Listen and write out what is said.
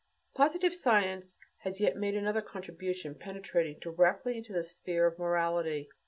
Positive science has made yet another contribution penetrating directly into the sphere of morality.